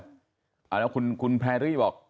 แล้วคุณแพรรี่บอก